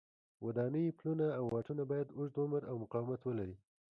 ودانۍ، پلونه او واټونه باید اوږد عمر او مقاومت ولري.